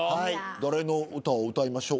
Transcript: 誰の歌を歌いましょう？